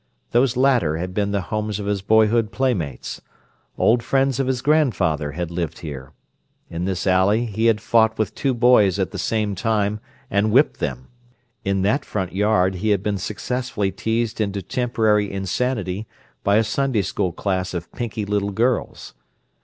Those latter had been the homes of his boyhood playmates; old friends of his grandfather had lived here;—in this alley he had fought with two boys at the same time, and whipped them; in that front yard he had been successfully teased into temporary insanity by a Sunday school class of pinky little girls.